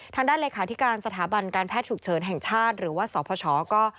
ทางด้านเลขาธิการสถาบันการแพทย์ฉุกเฉินแห่งชาติหรือว่าสพชก็